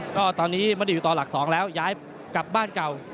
ก็ตอนนี้ไม่ได้อยู่ต่อหลัก๒แล้วย้ายกลับบ้านเก่า